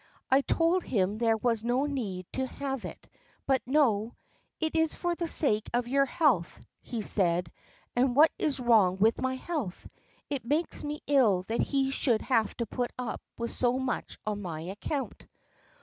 I told him there was no need to have it, but no, 'It is for the sake of your health,' he said, and what is wrong with my health? It makes me ill that he should have to put up with so much on my account."